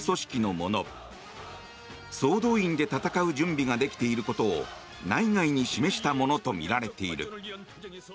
国民総動員で戦う準備ができていることを内外に示したものとみられている。